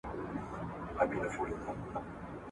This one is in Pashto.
لېونتوب یم راوستلی زولانې چي هېر مه نه کې !.